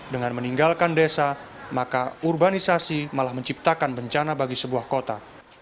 dengan meninggalkan desa maka urbanisasi malah menciptakan bencana bagi sebuah kota